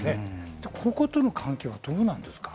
こことの関係はどうなんですか？